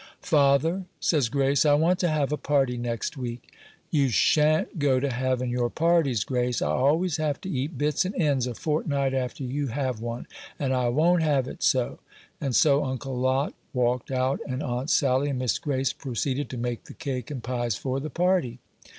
"Father," says Grace, "I want to have a party next week." "You sha'n't go to havin' your parties, Grace. I always have to eat bits and ends a fortnight after you have one, and I won't have it so." And so Uncle Lot walked out, and Aunt Sally and Miss Grace proceeded to make the cake and pies for the party.